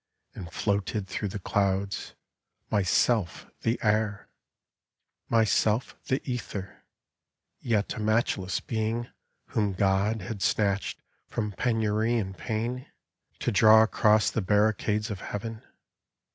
And floated through the clouds, myself the air, Myself the ether, yet a matchless being Whom God had snatched from penury and pain To draw across the barricades of heaven.